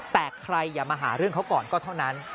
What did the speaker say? แต่ใครอย่ามาหาเรื่องเขาก่อนก็เท่านั้น